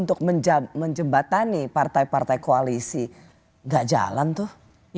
untuk menjembatani partai partai koalisi gak jalan tuh